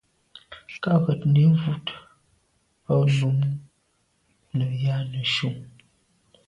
Kà ghùtni wul o num nu yàm neshu.